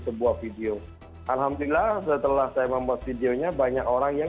sebuah video alhamdulillah setelah saya membuat videonya banyak orang yang